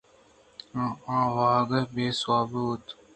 آ واہگ بے سوب بوت